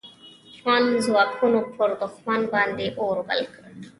افغان ځواکونو پر دوښمن باندې اور بل کړ.